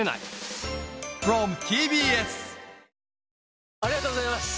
更にありがとうございます！